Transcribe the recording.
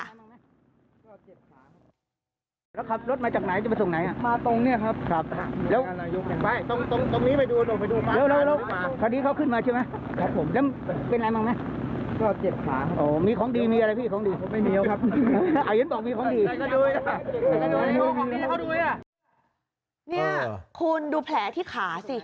เนี่ยคุณดูแผลที่ขาสิ